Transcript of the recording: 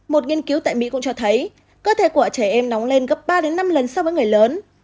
một nghiên cứu tại mỹ cũng cho thấy cơ thể của trẻ em nóng lên gấp ba năm lần so với người lớn